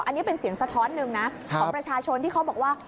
อันนี้เป็นเสียงสะท้อนหนึ่งนะของประชาชนที่เขาบอกว่า